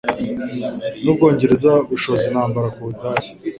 n'Ubwongereza bushoza intambara ku Budage,